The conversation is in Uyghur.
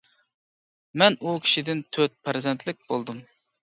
مەن ئۇ كىشىدىن تۆت پەرزەنتلىك بولدۇم.